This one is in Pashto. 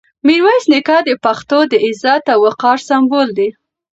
میرویس نیکه د پښتنو د عزت او وقار سمبول دی.